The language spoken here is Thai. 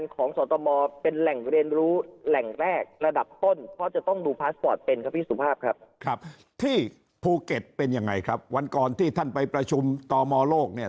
ครับที่ภูเกตเป็นยังไงครับวันก่อนที่ท่านไปประชุมต่อมอโลกเนี่ย